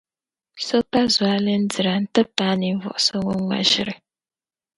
So pa zualindira n-ti paai ninvuɣu so ŋun ŋma ʒiri.